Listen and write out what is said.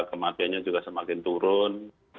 kematiannya juga semakin turun